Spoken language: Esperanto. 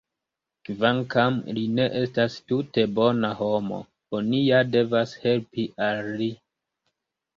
Kvankam li ne estas tute bona homo, oni ja devas helpi al li!